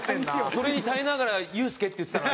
それに耐えながら「ユースケ」って言ってたの？